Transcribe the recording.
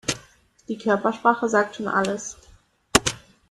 Die Körpersprache sagt schon alles.